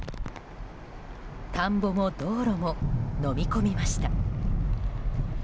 田んぼも道路ものみ込みました。